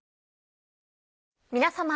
皆様。